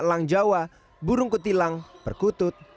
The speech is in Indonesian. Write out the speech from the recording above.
elang jawa burung kutilang perkutut